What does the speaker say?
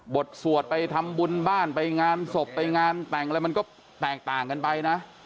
สวดไปทำบุญบ้านไปงานศพไปงานแต่งอะไรมันก็แตกต่างกันไปนะ